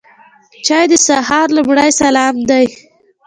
چای د سهار لومړی سلام دی.